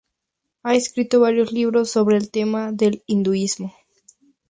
Ha escrito varios libros sobre el tema del hinduismo.